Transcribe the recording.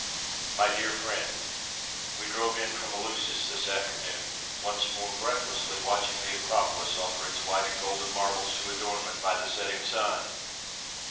MY DEAR FRIEND: We drove in from Eleusis this afternoon, once more breathlessly watching the Acropolis offer its white and golden marbles to adornment by the setting sun.